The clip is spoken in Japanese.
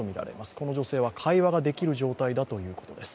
この女性は会話ができる状態だということです。